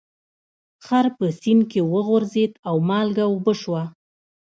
خر په سیند کې وغورځید او مالګه اوبه شوه.